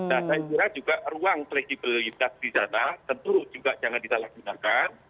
nah saya kira juga ruang kredibilitas di sana tentu juga jangan disalahgunakan